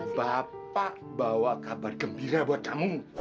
bapak bawa kabar gembira buat kamu